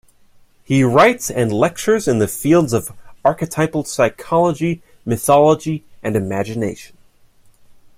He writes and lectures in the fields of archetypal psychology, mythology, and imagination.